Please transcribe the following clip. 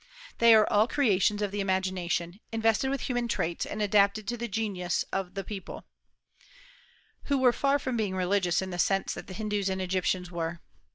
They are all creations of the imagination, invested with human traits and adapted to the genius of the people, who were far from being religious in the sense that the Hindus and Egyptians were.